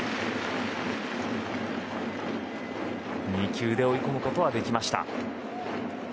２球で追い込むことはできました。